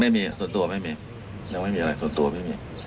ไม่มีส่วนตัวไม่มียังไม่มีอะไรส่วนตัวไม่มี